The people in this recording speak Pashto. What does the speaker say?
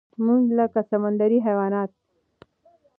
مونږ لکه سمندري حيوانات